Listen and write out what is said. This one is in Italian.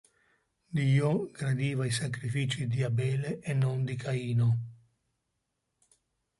Dio gradiva i sacrifici di Abele e non di Caino.